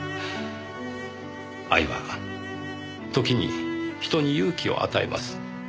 愛は時に人に勇気を与えます。